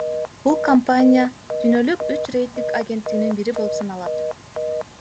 Бул компания дүйнөлүк үч рейтинг агенттигинин бири болуп саналат.